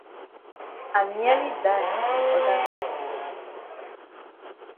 I nearly die de oda day.